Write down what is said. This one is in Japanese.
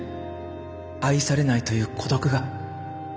愛されないという孤独が。